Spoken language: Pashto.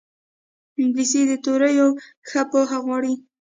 انګلیسي د توریو ښه پوهه غواړي